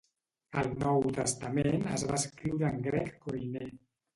El Nou Testament es va escriure en grec koiné.